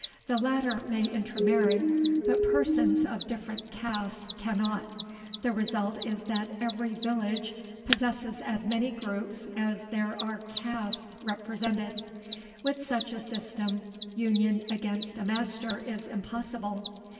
The latter may intermarry, but persons of different castes cannot. The result is that every village possesses as many groups as there are castes represented. With such a system union against a master is impossible.